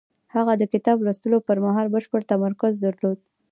هغه د کتاب لوستلو پر مهال بشپړ تمرکز درلود.